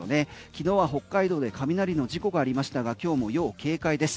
昨日は北海道で雷の事故がありましたが今日も要警戒です。